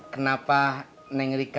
kalo pengen nyelamat